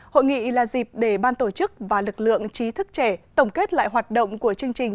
hội nghị là dịp để ban tổ chức và lực lượng trí thức trẻ tổng kết lại hoạt động của chương trình